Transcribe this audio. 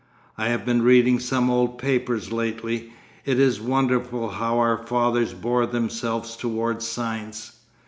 'I have been reading some old papers lately. It is wonderful how our fathers bore themselves towards science.